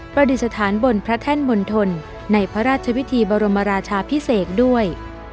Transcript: ดิษฐานบนพระแท่นมณฑลในพระราชวิธีบรมราชาพิเศษด้วย